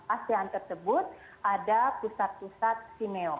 asean tersebut ada pusat pusat simeo